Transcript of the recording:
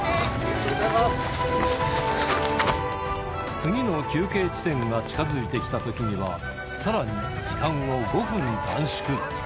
次の休憩地点が近づいてきたときには、さらに時間を５分短縮。